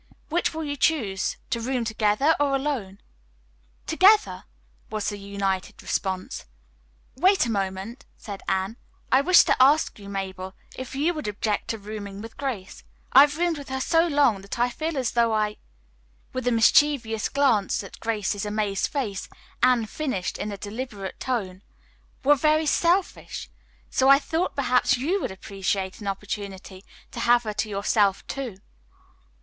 "Which will you choose, to room together or alone?" "Together!" was the united response. "Wait a moment," said Anne. "I wish to ask you, Mabel, if you would object to rooming with Grace. I have roomed with her so long that I feel as though I" with a mischievous glance at Grace's amazed face, Anne finished in a deliberate tone "were very selfish. So I thought perhaps you would appreciate an opportunity to have her to yourself, too."